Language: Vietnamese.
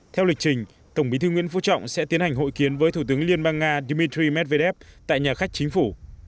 theo lịch trình tổng bí thư nguyễn phú trọng sẽ tiến hành hội kiến với thủ tướng liên bang nga dmitry medvedev tại nhà khách chính phủ